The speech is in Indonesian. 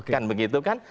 kan begitu kan